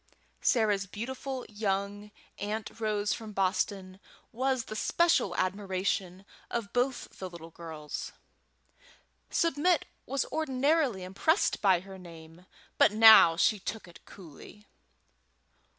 Sarah's beautiful young Aunt Rose from Boston was the special admiration of both the little girls. Submit was ordinarily impressed by her name, but now she took it coolly.